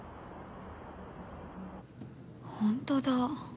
本当だ。